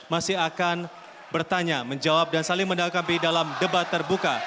masih akan bertanya menjawab dan saling mendakapi dalam debat terbuka